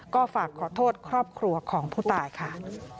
ก็ฝากขอโทษครอบครัวของผู้ตายค่ะ